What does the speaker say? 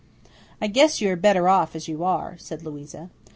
"I guess you are better off as you are," said Louisa.